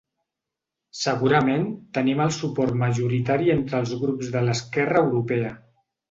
Segurament tenim el suport majoritari entre els grups de l’esquerra europea.